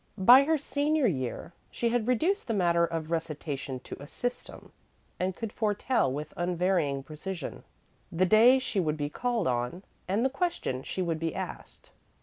By her senior year she had reduced the matter of recitation to a system, and could foretell with unvarying precision the day she would be called on and the question she would be asked.